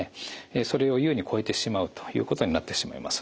それを優に超えてしまうということになってしまいます。